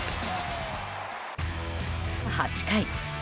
８回。